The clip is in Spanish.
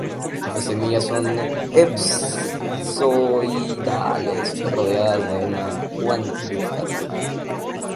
Las semillas son elipsoidales rodeadas de uan cubierta anaranjada.